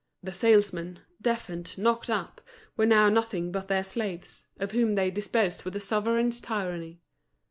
The salesmen, deafened, knocked up, were now nothing but their slaves, of whom they disposed with a sovereign's tyranny.